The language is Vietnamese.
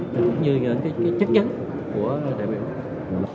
cũng như cái chất dấn của đại biểu